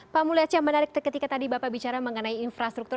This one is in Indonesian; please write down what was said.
pak mulyace yang menarik ketika tadi bapak bicara mengenai infrastruktur